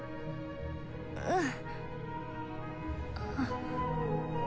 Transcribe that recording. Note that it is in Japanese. うん。